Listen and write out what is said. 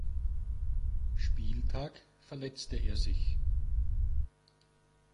Spieltag verletzte er sich.